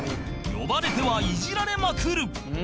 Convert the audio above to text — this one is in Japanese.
呼ばれてはイジられまくる！